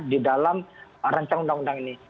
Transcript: di dalam rancangan undang undang ini